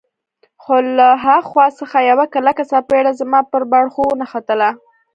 خو له ها خوا څخه یوه کلکه څپېړه زما پر باړخو ونښتله.